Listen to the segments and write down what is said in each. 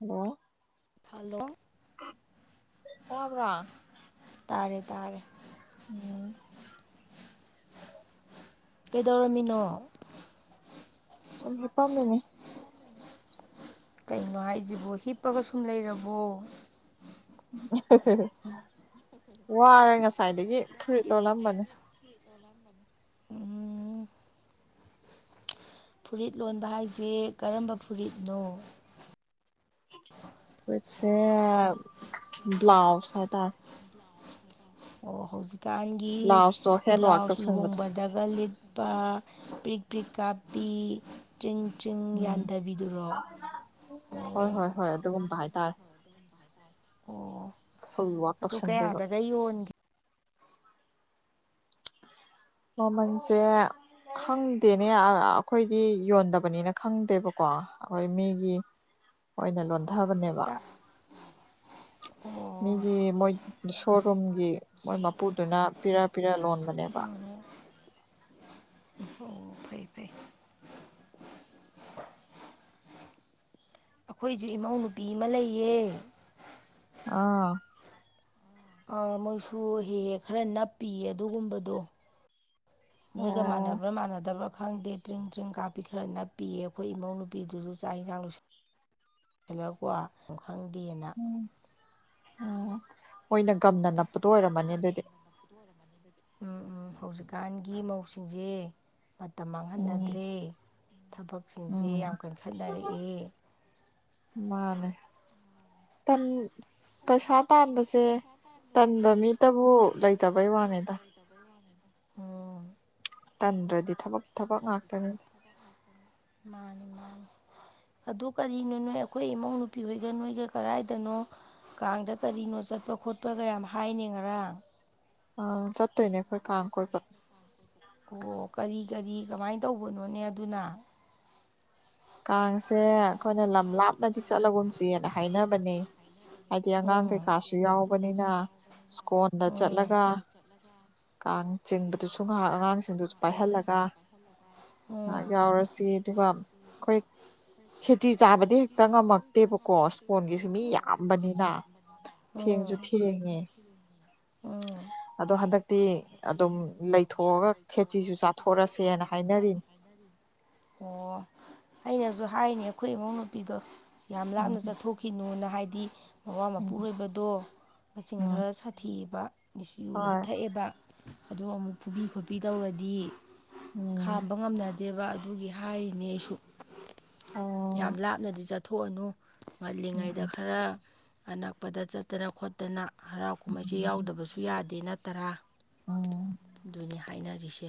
ꯑꯗꯣ ꯐꯜꯣ ꯇꯥꯕ꯭ꯔꯥ ꯇꯥꯔꯦ ꯇꯥꯔꯦ ꯎꯝ ꯀꯩꯗꯧꯔꯝꯃꯤꯅꯣ ꯁꯥꯏ ꯄꯝꯃꯤꯅꯦ ꯀꯩꯅꯣ ꯍꯥꯏꯁꯤꯕꯣ ꯍꯤꯞꯄꯒ ꯁꯨꯝ ꯂꯩꯔꯕꯣ [inaudible] ꯋꯥꯔꯦ ꯉꯁꯥꯏꯗꯒꯤ ꯐꯨꯔꯤꯠ ꯂꯣꯜꯂꯝꯕꯅꯤ ꯑꯣ ꯐꯨꯔꯤꯠ ꯂꯣꯟꯕ ꯍꯥꯏꯁꯦ ꯀꯔꯝꯕ ꯐꯨꯔꯤꯠꯅꯣ ꯁꯦ ꯕ꯭ꯂꯥꯎꯖ ꯍꯥꯏꯇꯥ ꯑꯣ ꯍꯧꯖꯤꯛꯀꯥꯟꯒꯤ ꯕ꯭ꯂꯥꯎꯁꯇꯣ ꯍꯦꯟꯋꯥꯛ ꯕ꯭ꯂꯥꯎꯁ ꯇꯧꯁꯟꯕꯗꯣ ꯂꯨꯍꯣꯡꯕꯗꯒ ꯂꯤꯠ ꯄꯥ ꯄ꯭ꯔꯤꯛ ꯄ꯭ꯔꯤꯛ ꯀꯥꯄꯤ ꯇꯔꯤꯤꯡ ꯎꯝ ꯍꯣꯏ ꯑꯣ ꯍꯣꯏ ꯍꯣꯏ ꯑꯗꯨꯒꯨꯝꯕ ꯍꯥꯏꯇꯥꯔꯦ ꯑꯣ ꯑ ꯁ ꯑꯗꯨ ꯋꯥꯇꯞꯁꯟꯗꯗ ꯀꯌꯥꯗꯒ ꯌꯣꯟꯒꯦ ꯃꯃꯟꯁꯦ ꯈꯪꯗꯦꯅꯦ ꯑꯩꯈꯣꯏꯗꯤ ꯌꯣꯟꯗꯕꯅꯤꯅ ꯈꯪꯗꯦꯕꯀꯣ ꯑꯩꯈꯣꯏ ꯃꯤꯒꯤ ꯑꯣꯏꯅ ꯂꯣꯟꯊꯕꯅꯦꯕ ꯇ ꯑꯣ ꯃꯤꯒꯤ ꯃꯣꯏ ꯁꯣꯔꯨꯝꯒꯤ ꯃꯣꯏ ꯃꯄꯨꯗꯨꯅ ꯄꯤꯔ ꯄꯤꯔ ꯂꯣꯟꯕꯅꯦꯕ [inaudible] ꯑꯣ ꯐꯩ ꯐꯩ ꯑꯩꯈꯣꯏꯁꯨ ꯏꯃꯧ ꯅꯨꯨꯄꯤ ꯑꯃ ꯂꯩꯌꯦ ꯑꯥ ꯑ ꯃꯣꯏꯁꯨ ꯍꯦꯛ ꯍꯦꯛ ꯈꯔ ꯅꯞꯄꯤꯌꯦ ꯑꯗꯨꯒꯨꯝꯕꯗꯣ ꯅꯣꯏꯒ ꯑꯣ ꯃꯥꯟꯅꯕ꯭ꯔꯥ ꯃꯥꯟꯅꯗꯕ꯭ꯔꯥ ꯈꯪꯗꯦ ꯗ꯭ꯡ ꯗ꯭ꯡ ꯀꯥꯞꯄꯤ ꯈꯔ ꯅꯞꯄꯤꯤꯌꯦ ꯑꯩꯈꯣꯏ ꯏꯃꯧ ꯅꯨꯄꯤꯗꯨꯁꯨ ꯆꯥꯛ ꯌꯦꯟꯁꯥꯡ ꯂꯣꯏꯁꯟ ꯍꯜꯂꯣ ꯀꯣ ꯁ ꯈꯪꯗꯦꯅ ꯎꯝ ꯎꯝ ꯃꯣꯏꯅ ꯒꯝꯅ ꯅꯞꯄꯗꯣ ꯑꯣꯏꯔꯝꯃꯅꯤ ꯑꯗꯨꯗꯤ ꯎꯝ ꯎꯝ ꯍꯧꯖꯤꯛꯀꯥꯟꯒꯤ ꯃꯧꯁꯤꯡꯁꯦ ꯃꯇꯝ ꯎꯝ ꯃꯥꯡꯍꯟꯅꯗ꯭ꯔꯦ ꯊꯕꯛꯁꯤꯡꯁꯦ ꯎꯝ ꯌꯥꯝ ꯀꯟꯈꯠꯅꯔꯛꯑꯦ ꯃꯥꯅꯦ ꯇꯝ ꯄꯁꯥ ꯄꯩꯁꯥ ꯇꯥꯟꯕꯁꯦ ꯇꯟꯕ ꯂꯩꯇꯕꯩ ꯃꯤꯇꯕꯨ ꯋꯥꯅꯤꯗ ꯂꯩꯇꯕꯩ ꯋꯥꯅꯤꯅꯤ ꯑꯣ ꯇꯟꯗ꯭ꯔꯗꯤ ꯊꯕꯛ ꯊꯕꯛ ꯉꯥꯛꯇꯅꯤ ꯃꯥꯅꯤ ꯃꯥꯅꯤ ꯑꯗꯨ ꯀꯔꯤꯅꯣ ꯅꯣꯏ ꯑꯩꯈꯣꯏ ꯏꯃꯧ ꯅꯨꯨꯄꯤ ꯍꯣꯏꯒ ꯅꯣꯏꯒ ꯀꯗꯥꯥꯏꯗꯅꯣ ꯀꯥꯡꯗ ꯀꯔꯤꯅꯣ ꯆꯠꯄ ꯈꯣꯠꯄꯒ ꯌꯥꯝ ꯍꯥꯏꯅꯤ ꯉꯔꯥꯡ ꯑ ꯆ ꯑꯣ ꯀꯔꯤ ꯀꯔꯤ ꯀꯃꯥꯏꯅ ꯇꯧꯕꯅꯣꯅꯦ ꯑꯗꯨꯅ ꯀꯥꯡꯁꯦ ꯑꯩꯈꯣꯏꯅ ꯂꯝ ꯂꯥꯞꯅꯗꯤ ꯆꯠꯂꯒꯨꯝ ꯆꯨꯏꯌꯦꯅ ꯍꯥꯏꯅꯕꯅꯦ ꯍꯥꯏꯗꯤ ꯑꯉꯥꯡ ꯎꯝ ꯀꯩꯀꯥꯁꯨ ꯌꯥꯎꯕꯅꯤꯅ ꯁꯀꯣꯟꯗ ꯆꯠꯂꯒ ꯀꯥꯡ ꯆꯤꯡꯕꯗꯨꯁꯨ ꯉꯥꯏꯍꯥꯛ ꯑꯉꯥꯡꯁꯤꯡꯗꯨꯁꯨ ꯄꯥꯏꯍꯜꯂꯒ ꯉꯥꯏꯍꯥꯛ ꯎꯝ ꯌꯥꯎꯔꯁꯤ ꯑꯗꯨꯒ ꯑꯩꯣꯏ ꯈꯦꯇꯤ ꯆꯥꯕꯗꯤ ꯍꯦꯛꯇ ꯉꯝꯃꯛꯇꯦꯕꯀꯣ ꯏꯁ꯭ꯀꯣꯟꯒꯤꯁꯨ ꯃꯤ ꯌꯥꯝꯕꯅꯤꯅ ꯊꯦꯡꯁꯨ ꯎꯝ ꯊꯦꯡꯦ ꯎꯝ ꯑꯗꯣ ꯍꯟꯗꯛꯇꯤ ꯑꯗꯨꯝ ꯂꯩꯊꯣꯛꯑꯒ ꯈꯦꯆꯤꯁꯨ ꯆꯥꯊꯣꯔꯁꯦꯅ ꯍꯥꯏꯅꯔꯤꯅꯤ ꯑꯣ ꯑꯩꯅꯁꯨ ꯍꯥꯏꯔꯤꯅꯦ ꯑꯩꯈꯣꯏ ꯏꯃꯧ ꯅꯨꯨꯄꯤꯗꯣ ꯌꯥꯝ ꯂꯥꯞꯅ ꯎꯝ ꯆꯠꯊꯣꯛꯈꯤꯅꯣꯅ ꯍꯥꯏꯗꯤ ꯃꯋꯥ ꯎꯝ ꯃꯄꯨꯔꯣꯏꯕꯗꯣ ꯃꯆꯤꯟ ꯎꯝ ꯈꯔ ꯁꯥꯊꯤꯑꯕ ꯁꯨꯨ ꯍꯣꯏ ꯍꯊꯛꯑꯦꯕ ꯑꯗꯣ ꯑꯃꯨꯛ ꯐꯨꯕꯤ ꯈꯣꯠꯄꯤ ꯇꯧꯔꯗꯤ ꯎꯝ ꯈꯥꯝꯕ ꯉꯝꯅ ꯗꯦꯕ ꯑꯗꯨꯒꯤ ꯍꯥꯏꯔꯤꯅꯦ ꯑꯩꯁꯨ ꯑꯣ ꯌꯥꯝ ꯂꯥꯞꯅꯗꯤ ꯆꯠꯊꯣꯛꯑꯅꯨ ꯉꯜꯂꯤꯉꯩꯗ ꯎꯝ ꯈꯔ ꯑꯅꯛꯄꯗ ꯆꯠꯇꯅ ꯈꯣꯠꯇꯅ ꯍꯔꯥꯎ ꯀꯨꯝꯍꯩꯁꯦ ꯌꯥꯎꯗꯕꯁꯨ ꯌꯥꯗꯦ ꯅꯠꯇ ꯇꯔꯥ ꯎꯝ ꯑꯗꯨꯅꯤ ꯍꯥꯏꯅꯔꯤꯁꯦ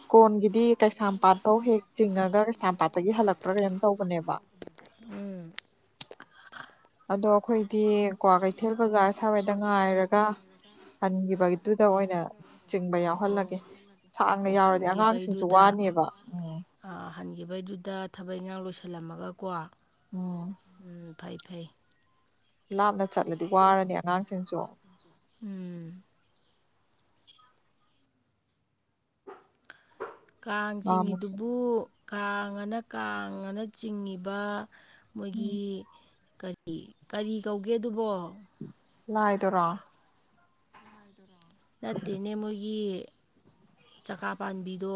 ꯁ꯭ꯀꯣꯟꯒꯤꯗꯤ ꯀꯩꯁꯥꯝꯄꯥꯠꯇ ꯐꯧ ꯍꯦꯛ ꯆꯤꯡꯉꯒ ꯀꯩꯁꯥꯝꯄꯥꯠꯇꯒꯤ ꯍꯜꯂꯛꯄ꯭ꯔꯥ ꯀꯔꯤꯝ ꯇꯧꯕꯅꯦꯕ ꯎꯝ ꯑꯗꯣ ꯑꯩꯈꯣꯏꯗꯤ ꯀꯋꯥ ꯀꯩꯊꯦꯜ ꯕꯖꯥꯔ ꯁꯋꯥꯏꯗ ꯉꯥꯏꯔꯒ ꯍꯟꯈꯤꯕꯒꯤꯗꯨꯗ ꯑꯣꯏꯅ ꯆꯤꯡꯕ ꯌꯥꯎꯍꯜꯂꯒꯦ ꯁꯥꯡꯅ ꯑꯣ ꯌꯥꯎꯔꯗꯤ ꯑꯉꯥꯡꯁꯤꯡꯁꯨ ꯍꯟꯈꯤꯕꯩꯗꯨꯗ ꯋꯥꯅꯦꯕ ꯎꯝ ꯍꯟꯈꯤꯕꯩꯗꯨꯗ ꯊꯕꯛ ꯏꯪꯈꯥꯡ ꯂꯣꯏꯁꯤꯜꯂꯝꯃꯒꯀꯣ ꯑꯣꯝ ꯎꯝ ꯐꯩ ꯐꯩ ꯂꯥꯞꯅ ꯆꯠꯂꯗꯤ ꯋꯥꯔꯅꯤ ꯑꯉꯥꯡꯁꯤꯡꯁꯨ ꯎꯝ ꯀꯥꯡ ꯃꯥꯃꯨꯛꯁꯨ ꯆꯤꯡꯉꯤꯗꯨꯕꯨ ꯀꯥꯡ ꯑꯅ ꯀꯥꯡ ꯑꯅ ꯆꯤꯡꯉꯤꯕ ꯎꯝ ꯃꯣꯏꯒꯤ ꯀꯔꯤ ꯀꯔꯤ ꯀꯧꯒꯦ ꯑꯗꯨꯕꯣ ꯂꯑꯗꯣꯔꯥ ꯅꯠꯇꯦꯅꯦ ꯃꯣꯏꯒꯤ ꯆꯀꯥ ꯄꯥꯝꯕꯤꯗꯣ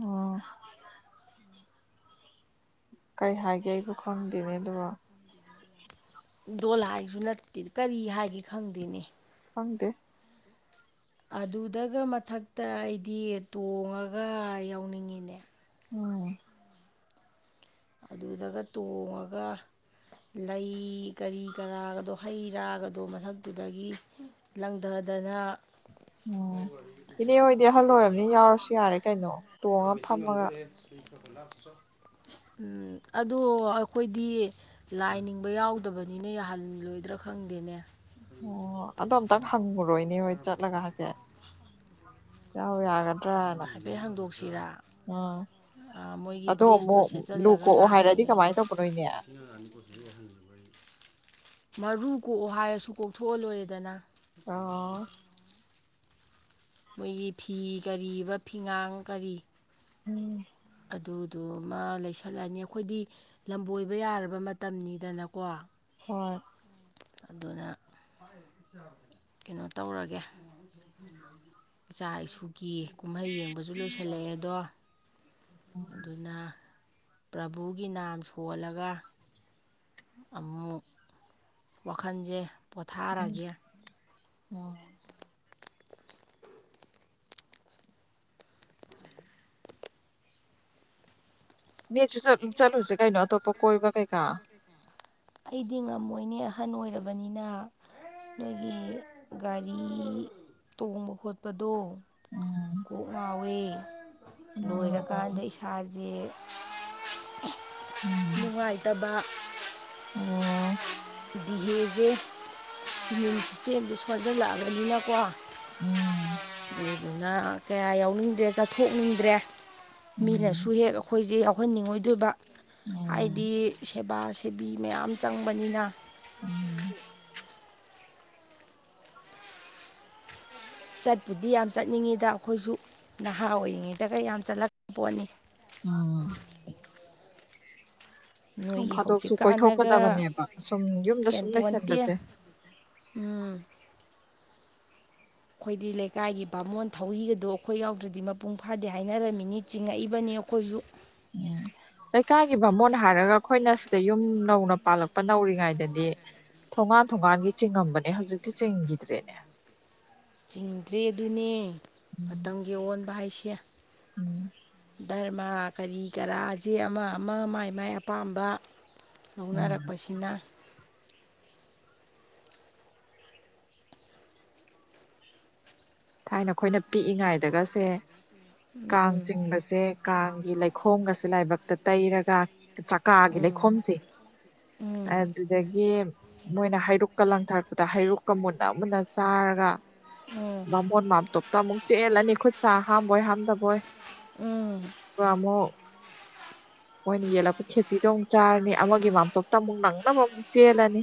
ꯑꯣ ꯀꯔꯤ ꯍꯥꯏꯒꯦ ꯑꯩꯕꯨ ꯈꯪꯗꯦꯅꯦ ꯂ ꯗꯣꯜ ꯍꯥꯏꯁꯨ ꯅꯠꯇꯦ ꯀꯔꯤ ꯍꯥꯏꯒꯦ ꯈꯪꯗꯦꯅꯦ ꯐꯪꯗꯦ ꯑꯗꯨꯗꯒ ꯃꯊꯛꯇ ꯑꯩꯗꯤ ꯇꯣꯡꯉꯒ ꯌꯥꯎꯅꯤꯡꯉꯤꯅꯦ ꯎꯝ ꯑꯗꯨꯗꯒ ꯇꯣꯡꯉꯒ ꯂꯩ ꯀꯔꯤ ꯀꯔꯥꯒꯗꯣ ꯍꯩ ꯔꯥꯒꯗꯣ ꯃꯊꯛꯇꯨꯗꯒꯤ ꯂꯪꯊ ꯑꯗꯨꯅ ꯎꯝ ꯏꯅꯦ ꯑꯣꯏꯗꯤ ꯑꯍꯜ ꯑꯣꯏꯔꯕꯅꯤ ꯌꯥꯎꯔꯁꯨ ꯌꯥꯔꯦ ꯀꯩꯅꯣ ꯇꯣꯡꯉ ꯦꯁꯤꯡ ꯐꯝꯃꯒ ꯑꯪꯒꯨꯔꯦ ꯑꯗꯣ ꯑꯩꯈꯣꯏꯗꯤ ꯂꯥꯏ ꯅꯤꯡꯕ ꯌꯥꯎꯗꯕꯅꯤꯅ ꯌꯥꯍꯜꯂꯣꯏꯗ꯭ꯔꯥ ꯈꯪꯗꯦꯅꯦ ꯑꯣ ꯑꯗꯣ ꯑꯝꯇꯪ ꯍꯪꯉꯨꯔꯣꯏꯅꯦ ꯍꯣꯏ ꯆꯠꯂꯒ ꯍꯥꯏꯀꯦꯠ ꯌꯥꯎ ꯌꯥꯒꯗ ꯍꯥꯏꯐꯦꯠ ꯍꯥꯡꯗꯣꯛꯁꯤꯔꯥ ꯎꯝ ꯃꯣꯏꯒꯤ ꯑꯗꯣ ꯗ꯭ꯔꯦꯁꯇꯣ ꯑꯃꯨꯛ ꯂꯨ ꯁꯦꯠꯆꯤꯜꯂꯒ ꯀꯣꯛꯑꯣ ꯍꯥꯏꯔꯗꯤ ꯂꯥꯛꯀꯦꯅ ꯀꯃꯥꯏꯅ ꯇꯧꯕꯅꯣꯏꯅꯦ ꯃꯔꯨ ꯀꯣꯛꯑꯣ ꯍꯥꯏꯔꯁꯨ ꯀꯣꯛꯊꯣꯛꯑ ꯂꯣꯏꯔꯦꯗꯅ ꯑ ꯃꯣꯏꯒꯤ ꯐꯤ ꯀꯔꯤꯕ ꯐꯤꯉꯥꯡ ꯀꯔꯤ ꯎꯝ ꯑꯗꯨꯗꯨꯃ ꯂꯩꯁꯜꯂꯛꯑꯅꯤ ꯑꯩꯈꯣꯏꯗꯤ ꯂꯝꯕꯣꯏꯕ ꯌꯥꯔꯕ ꯃꯇꯝꯅꯤꯗꯅꯀꯣ ꯍꯣꯏ ꯑꯗꯨꯅ ꯀꯩꯅꯣ ꯇꯧꯔꯒꯦ ꯏꯆꯥ ꯏꯁꯨ ꯀꯤ ꯀꯨꯝꯍꯩ ꯌꯦꯡꯕꯁꯨ ꯂꯣꯏꯁꯤꯜꯂꯛꯑꯦ ꯑꯗꯣ ꯑꯗꯨꯅ ꯄ꯭ꯔꯚꯨꯒꯤ ꯅꯥꯝ ꯁꯣꯜꯂꯒ ꯑꯃꯨꯛ ꯋꯥꯈꯜꯁꯦ ꯄꯣꯊꯥꯔꯒꯦ ꯑꯣꯝ ꯅꯦꯁꯨ ꯆꯠꯂꯨꯁꯦ ꯀꯩꯅꯣ ꯑꯇꯣꯞꯄ ꯀꯣꯏꯕ ꯀꯩꯀꯥ ꯑꯩꯗꯤ ꯉꯝꯃꯣꯏꯅꯦ ꯑꯍꯟ ꯑꯣꯏꯔꯕꯅꯤꯅ ꯅꯣꯏꯒꯤ ꯒꯥꯔꯤ ꯇꯣꯡꯕ ꯈꯣꯠꯄꯗꯣ ꯎꯝ ꯀꯣꯛꯃꯋꯦ ꯎꯝ ꯂꯣꯏꯔꯀꯥꯟꯗ ꯏꯁꯥꯁꯦ ꯎꯝ ꯅꯨꯡꯉꯥꯏꯇꯕ ꯑꯣ ꯗꯤꯍꯦꯁꯦ ꯏꯃ꯭ꯌꯨꯟ ꯁꯤꯁꯇꯦꯝꯁꯦ ꯁꯣꯟꯖꯜꯂꯛꯑꯕꯅꯤꯅꯀꯣ ꯎꯝ ꯑꯗꯨꯅ ꯀꯌꯥ ꯌꯥꯎꯅꯤꯡꯗ꯭ꯔꯦ ꯆꯠꯊꯣꯛꯅꯤꯡꯗ꯭ꯔꯦ ꯃꯤꯅꯁꯨ ꯎꯝ ꯍꯦꯛ ꯑꯩꯈꯣꯏꯁꯦ ꯌꯥꯎꯍꯟꯅꯤꯡꯉꯣꯏꯗꯣꯏꯕ ꯍꯥꯏꯗꯤ ꯎꯝ ꯕꯥ ꯁꯦꯕꯤ ꯃꯌꯥꯝ ꯆꯪꯕꯅꯤꯅ ꯎꯝ ꯆꯠꯄꯨꯗꯤ ꯌꯥꯝ ꯆꯠꯅꯤꯡꯉꯤꯗ ꯑꯩꯈꯣꯏꯁꯨ ꯅꯍꯥ ꯑꯣꯏꯔꯤꯉꯩꯗꯒ ꯌꯥꯝ ꯆꯠꯂꯛꯄ ꯄꯣꯠꯅꯤ ꯑ ꯅꯣꯏꯒꯤ ꯍꯧꯖꯤꯛꯀꯥꯟꯅꯒ ꯀꯣꯏꯊꯣꯛꯀꯗꯕꯅꯦꯕ ꯁꯨꯝ ꯌꯨꯝꯗ ꯁꯨꯝ ꯍꯦꯟꯐꯣꯟꯇꯦ ꯂꯩꯁꯟꯕꯁꯦ ꯎꯝ ꯑꯩꯈꯣꯏꯗꯤ ꯂꯩꯀꯥꯏꯒꯤ ꯕꯥꯃꯣꯟ ꯊꯧꯔꯤꯒꯗꯣ ꯑꯩꯈꯣꯏ ꯌꯥꯎꯗ꯭ꯔꯗꯤ ꯃꯄꯨꯡ ꯐꯥꯗꯦ ꯍꯥꯏꯅꯔꯝꯃꯤꯅꯤ ꯆꯤꯡꯉꯛꯏꯕꯅꯤ ꯑꯩꯈꯣꯏꯁꯨ ꯎꯝ. ꯂꯩꯀꯥꯏꯒꯤ ꯚꯥꯃꯣꯟ ꯍꯥꯏꯔꯒ ꯑꯩꯈꯣꯏꯅ ꯁꯤꯗ ꯌꯨꯝ ꯅꯧꯅ ꯄꯥꯜꯂꯛꯄ ꯅꯧꯔꯤꯉꯩꯗꯗꯤ ꯊꯣꯡꯒꯥꯟ ꯊꯣꯡꯒꯥꯟꯒꯤ ꯆꯤꯡꯉꯝꯕꯅꯦ ꯍꯧꯖꯤꯛꯇꯤ ꯆꯤꯡꯈꯤꯗ꯭ꯔꯦꯅꯦ ꯆꯤꯡꯗ꯭ꯔꯦ ꯑꯗꯨꯅꯦ ꯎꯝ ꯃꯇꯝꯒꯤ ꯑꯑꯣꯟꯕ ꯍꯥꯏꯁꯦ ꯔ ꯎꯝ ꯑꯃ ꯀꯔꯤ ꯀꯔꯥꯥꯁꯦ ꯑꯃ ꯑꯃ ꯃꯥꯏ ꯃꯥꯏ ꯑꯄꯥꯝꯕ ꯎꯝ ꯂꯧꯅꯔꯛꯄꯁꯤꯅ ꯊꯥꯏꯅ ꯑꯩꯈꯣꯏꯅ ꯄꯤꯛꯏꯉꯥꯏꯗꯒꯁꯦ ꯀꯥꯡ ꯆꯤꯡꯕꯁꯦ ꯀꯥꯡꯒꯤ ꯂꯩꯈꯣꯝꯒꯁꯦ ꯂꯥꯏꯕꯛꯇ ꯇꯩꯔꯒ ꯆꯀꯥꯒꯤ ꯂꯩꯈꯣꯝꯁꯦ ꯑꯗꯨꯗꯒꯤ ꯃꯣꯏꯅ ꯍꯥꯏꯗꯣꯛ ꯀ ꯂꯪꯊꯥꯔꯛꯄꯗ ꯍꯩꯔꯨꯛꯀ ꯃꯨꯅ ꯑꯃꯨꯟꯅ ꯆꯥꯔꯒ ꯎꯝ ꯕꯥꯃꯣꯟ ꯃꯥꯝꯇꯣꯞꯇ ꯑꯃꯨꯛ ꯆꯦꯜꯂꯅꯤ ꯈꯨꯠ ꯁꯥ ꯍꯥꯝꯕꯣꯏ ꯍꯥꯝꯗꯕꯣꯏ ꯀꯃꯣ ꯎ ꯃꯣꯏꯅ ꯌꯦꯜꯂꯛꯄ ꯈꯦꯆꯔꯤꯗꯣ ꯑꯃꯨꯛ ꯆꯥꯔꯅꯤ ꯑꯃꯒꯤ ꯃꯥꯝꯇꯣꯞꯇ ꯑꯃꯨꯛ ꯅꯪꯅꯕ ꯑꯃꯨꯛ ꯆꯦꯜꯂꯅꯤ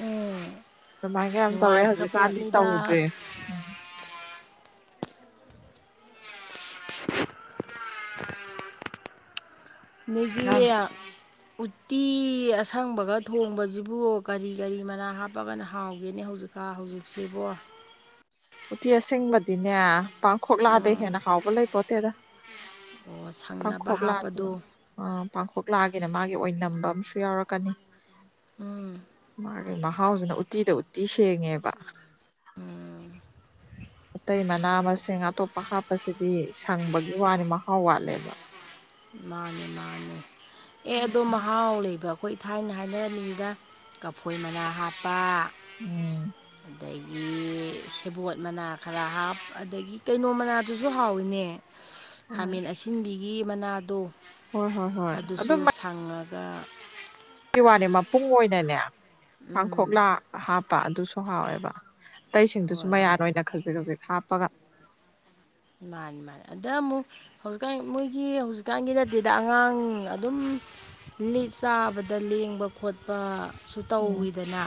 ꯎꯝ ꯑꯗꯨꯨꯃꯥꯏꯅ ꯀ ꯌꯥꯝ ꯇꯧꯔꯦ ꯅꯨꯡꯉꯥꯏꯈ꯭ꯔ ꯍꯧꯖꯤꯛꯀꯥꯟꯗꯤ ꯄꯣꯠꯅꯤꯗ ꯇꯧꯗ꯭ꯔꯦ ꯎ ꯅꯪ ꯃꯊꯌꯥ ꯎꯠꯇꯤ ꯑꯁꯪꯕꯒ ꯊꯣꯡꯕꯁꯤꯕꯨ ꯀꯔꯤ ꯀꯔꯤ ꯃꯅꯥ ꯍꯥꯞꯄꯒꯅ ꯍꯥꯎꯒꯦꯅꯦ ꯍꯧꯖꯤꯛꯛ ꯀ ꯍꯧꯖꯤꯛꯁꯤꯕꯣ ꯎꯇꯤ ꯑꯁꯦꯡꯕꯗꯤꯅꯦ ꯄꯥꯡꯈꯣꯛꯂꯛꯑꯗꯩ ꯍꯦꯟꯅ ꯍꯥꯎꯕ ꯂꯩ ꯄꯣꯠꯇꯦꯗ ꯑꯣ ꯁꯪꯅꯕ ꯄꯪꯈꯣꯛꯒ ꯂꯥꯛꯒ ꯍꯥꯞꯄꯗꯣ ꯑ ꯄꯥꯡꯈꯣꯛꯒ ꯂꯥꯛꯒꯦ ꯀꯩꯅ ꯃꯥꯒꯤ ꯑꯣꯏꯅ ꯅꯝꯕ ꯑꯃꯁꯨ ꯌꯥꯎꯔꯛꯀꯅꯤ ꯎꯝ ꯑꯩꯈꯣꯏ ꯃꯍꯥꯎꯁꯤꯅ ꯎꯠꯇꯤꯗ ꯎꯠꯇꯤ ꯁꯦꯡꯉꯦꯕ ꯑꯇꯩ ꯃꯅꯥ ꯃꯁꯤꯡ ꯑꯇꯣꯞꯄ ꯍꯥꯞꯄꯁꯤꯗꯤ ꯁꯪꯕꯒꯤ ꯋꯥꯅꯤ ꯃꯍꯥꯎ ꯋꯥꯠꯂꯦꯕ ꯃꯥꯅꯦ ꯃꯥꯅꯦ ꯑꯦ ꯑꯗꯣ ꯃꯍꯥꯎ ꯂꯩꯕ ꯑꯩꯈꯣꯏ ꯏ ꯊꯥꯏꯅ ꯍꯥꯏꯅꯔꯝꯃꯤꯗ ꯀꯐꯣꯏ ꯃꯅꯥ ꯍꯥꯞꯄ ꯎꯝ ꯑꯗꯒꯤ ꯁꯦꯕꯣꯠ ꯃꯅꯥ ꯈꯔ ꯍꯥꯞ ꯑꯗꯒꯤ ꯀꯩꯅꯣ ꯃꯅꯥꯗꯨꯁꯨ ꯍꯥꯎꯏꯤꯅꯦ ꯈꯥꯃꯦꯟ ꯑꯁꯤꯟꯕꯤꯒꯤ ꯃꯅꯥꯗꯣ ꯍꯣꯏ ꯍꯣꯏ ꯍꯣꯏ ꯑꯗꯨ ꯑꯗꯨꯁꯨ ꯁꯪꯉꯒ ꯋꯥꯅꯤ ꯃꯄꯨꯡ ꯑꯣꯏꯅꯅꯦ ꯎꯝ ꯀꯥꯡꯥꯡꯈꯣꯛꯂꯥ ꯍꯥꯞꯄ ꯑꯗꯨꯁꯨ ꯍꯥꯎꯋꯦꯕ ꯑꯇꯩꯁꯤꯡꯗꯨꯁꯨ ꯍꯣꯏ ꯃꯌꯥꯟ ꯍꯣꯏ ꯑꯣꯏꯅ ꯈꯖꯤꯛ ꯈꯖꯤꯛ ꯍꯥꯞꯄꯒ ꯃꯥꯅꯤ ꯃꯥꯅꯤ ꯑꯗ ꯑꯃꯨꯛ ꯍꯧꯖꯤꯛꯀꯥꯟ ꯃꯣꯏꯒꯤ ꯍꯧꯖꯤꯛꯀꯥꯟꯒꯤ ꯅꯠꯇꯗ ꯑꯉꯥꯡ ꯑꯗꯨꯝ ꯂꯤꯞ ꯆꯥꯕꯗ ꯂꯦꯡꯕ ꯈꯣꯠꯄ ꯁꯨ ꯎꯝ ꯇꯧꯋꯤꯗꯅ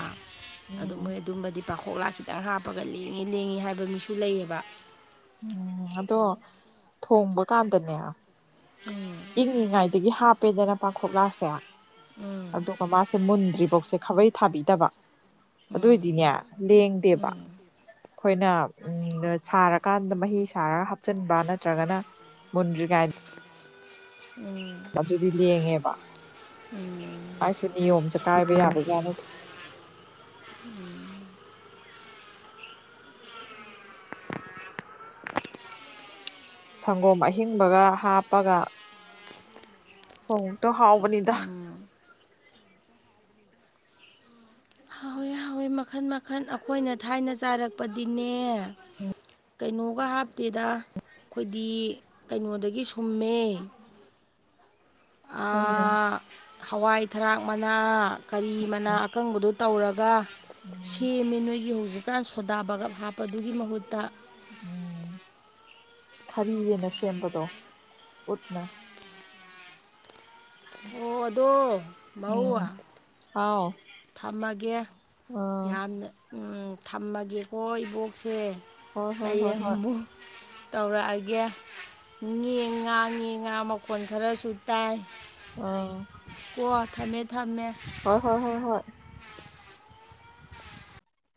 ꯑꯗꯨ ꯎꯝ ꯃꯣꯏ ꯑꯗꯨꯝꯕꯗꯤ ꯄꯥꯎꯈꯣꯛ ꯈꯣꯛꯂꯥꯛ ꯈꯤꯇꯪ ꯍꯥꯞꯄꯒ ꯂꯦꯡꯉꯦ ꯂꯦꯡꯉꯦ ꯍꯥꯏꯕ ꯃꯤꯁꯨ ꯂꯩꯌꯦꯕ ꯎꯝ ꯑꯗꯣ ꯊꯣꯡꯕꯀꯥꯟꯗꯅꯦ ꯎꯝ ꯏꯪꯉꯤꯉꯥꯏꯗꯒꯤ ꯍꯥꯞꯄꯦꯗꯅ ꯄꯥꯡꯈꯣꯛꯂꯥꯁꯦ ꯎꯝ ꯑꯗꯨꯒ ꯃꯥꯁꯦ ꯃꯨꯟꯗ꯭ꯔꯤꯐꯧꯁꯦ ꯈꯥꯕꯩ ꯊꯥꯕꯤꯗꯕ ꯎꯝ ꯑꯗꯨꯏꯗꯤꯅꯦ ꯂꯦꯡꯗꯦꯕ ꯑꯩꯈꯣꯏꯅ ꯎꯝ ꯁꯥꯔꯛ ꯀꯥꯟꯗ ꯃꯍꯤ ꯁꯥꯔꯒ ꯍꯥꯞꯆꯤꯟꯕ ꯅꯠꯇ꯭ꯔꯒꯅ ꯃꯨꯟꯗ꯭ꯔꯤꯉꯥꯏ ꯎꯝ ꯑꯗꯨꯗꯤ ꯂꯦꯡꯉꯦꯕ ꯎꯝ ꯑꯩꯁꯨ ꯅꯤꯌꯣꯝꯖ‌ꯦ ꯀꯥꯏꯕ ꯌꯥꯕ ꯖꯥꯠ ꯅꯠꯇ‌ꯦ ꯁꯪꯒꯣꯝ ꯑꯍꯤꯡꯕꯒ ꯍꯥꯞꯄꯒ ꯊ‌ꯣꯡꯗ‌ꯣ ꯍꯥꯎꯕꯅꯤꯗ ꯈꯣꯏ ꯃꯈꯟ ꯃꯈꯟ ꯑꯩꯈꯣꯏꯅ ꯊꯥꯏꯅ ꯆꯥꯔꯛꯄꯗꯤꯅꯦ ꯀꯩꯅꯣꯒ ꯍꯥꯞꯇꯦꯗ ꯑꯩꯈꯣꯏꯗꯤ ꯀꯩꯅꯣꯗꯒꯤ ꯁꯨꯝꯃꯦ [unintelligible] ꯑꯗꯨꯅ [unintelligible] ꯍꯋꯥꯏ ꯊꯔꯥꯛ ꯃꯅꯥ ꯀꯔꯤ ꯃꯅꯥ ꯑꯀꯪꯕꯗꯣ ꯇꯧꯔꯒ ꯎꯝ ꯁꯦꯝꯃꯦ ꯅꯣꯏꯒꯤ ꯍꯧꯖꯤꯛ ꯖꯤꯛꯀꯥꯟ ꯁꯣꯗꯥ ꯕꯒꯞ ꯍꯥꯞꯄꯗꯨꯒꯤ ꯃꯍꯨꯠꯇ ꯎꯝ ꯈꯟꯌꯦꯟꯅ ꯁꯦꯝꯕꯗꯣ ꯎꯠꯅ [unintelligible] ꯑꯣ ꯑꯗꯣ ꯃꯧ ꯎꯝ ꯍꯥꯎ ꯊꯝꯃꯒꯦ ꯑ ꯌꯥꯝꯅ ꯎꯝ ꯊꯝꯃꯒꯦꯀꯣ ꯏꯕꯣꯛꯁꯦ ꯍꯣꯏ ꯍꯣꯏ ꯑꯌꯦ ꯍꯣꯏ ꯍꯣꯏ ꯍꯕꯨ ꯇꯧꯔꯛꯑꯒꯦ ꯉ ꯉꯥ ꯉ ꯉꯥ ꯃꯈꯣꯟ ꯈꯔꯁꯨ ꯇꯥꯏ ꯑꯥ ꯀꯣ ꯊꯝꯃꯦ ꯊꯝꯃꯦ ꯍꯣꯏ ꯍꯣꯏ ꯍꯣꯏ ꯍꯣꯏ